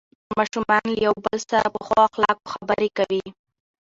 ماشومان له یو بل سره په ښو اخلاقو خبرې کوي